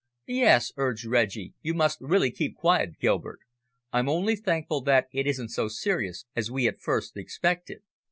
"Yes," urged Reggie, "you must really keep quiet, Gilbert. I'm only thankful that it isn't so serious as we at first expected.